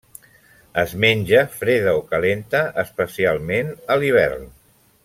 Es menja freda o calenta, especialment a l'hivern.